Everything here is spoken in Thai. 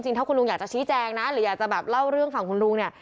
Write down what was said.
ถ้าคุณลุงอยากจะชี้แจงนะหรืออยากจะแบบเล่าเรื่องฝั่งคุณลุงเนี่ย